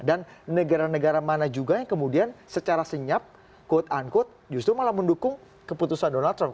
dan negara negara mana juga yang kemudian secara senyap justru malah mendukung keputusan donald trump